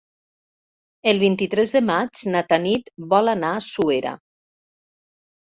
El vint-i-tres de maig na Tanit vol anar a Suera.